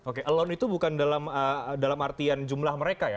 oke alon itu bukan dalam artian jumlah mereka ya